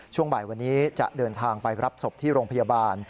ช่วงบ่ายวันนี้จะเดินทางไปรับศพที่โรงพยาบาล